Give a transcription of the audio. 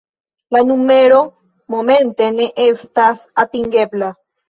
La numero momente ne estas atingebla...